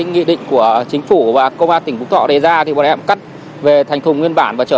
nghị định của chính phủ và công an tỉnh phú thọ đề ra thì bọn em cắt về thành thùng nguyên bản và trở